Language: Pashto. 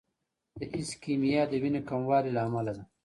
د ایسکیمیا د وینې کموالي له امله ده.